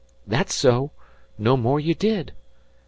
"Thet's so; no more you did.